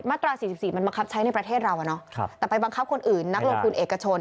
ตรา๔๔มันบังคับใช้ในประเทศเราแต่ไปบังคับคนอื่นนักลงทุนเอกชน